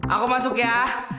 aku masuk ya